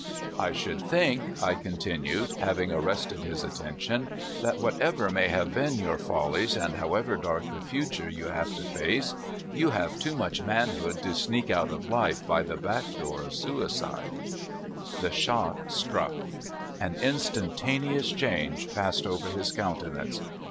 *'I should think," I continued, having arrested his attention, " that whatever may have been 3^our follies, and however dark the future you have to 6o CALIFORNIA SKETCHES. face, you have too much manhood to sneak out of life by the back door of suicide/' The shot struck. An instantaneous change passed over his countenance.